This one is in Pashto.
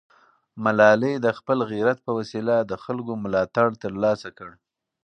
ملالۍ د خپل غیرت په وسیله د خلکو ملاتړ ترلاسه کړ.